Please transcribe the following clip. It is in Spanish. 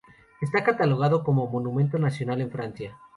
Está catalogado como "monumento nacional" en Francia.